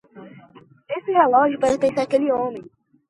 Esse relógio pertence àquele homem.